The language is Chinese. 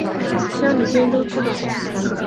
乡里间都知道